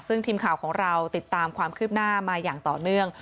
ซึ่งทีมข่าวของเราติดตามความคืบหน้ามาอย่างต่อเนื่อง